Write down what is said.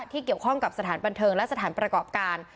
เกี่ยวข้องกับสถานบันเทิงและสถานประกอบการ